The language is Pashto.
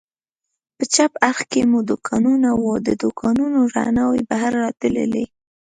په چپ اړخ کې مو دوکانونه و، د دوکانونو رڼاوې بهر راتلې.